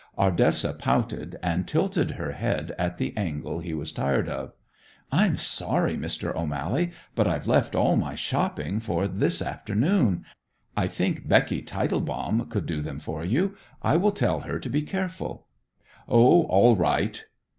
Ardessa pouted, and tilted her head at the angle he was tired of. "I'm sorry, Mr. O'Mally, but I've left all my shopping for this afternoon. I think Becky Tietelbaum could do them for you. I will tell her to be careful." "Oh, all right."